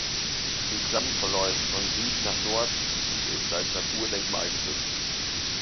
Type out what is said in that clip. Die Klamm verläuft von Süd nach Nord und ist als Naturdenkmal geschützt.